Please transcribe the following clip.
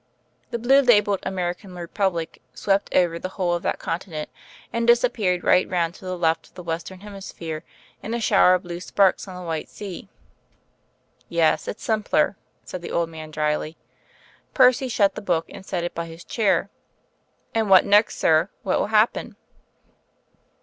The blue labelled AMERICAN REPUBLIC swept over the whole of that continent, and disappeared right round to the left of the Western Hemisphere in a shower of blue sparks on the white sea. "Yes, it's simpler," said the old man drily. Percy shut the book and set it by his chair. "And what next, sir? What will happen?"